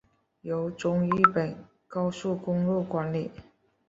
由中日本高速公路管理。